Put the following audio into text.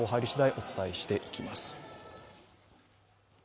お伝えしていきます。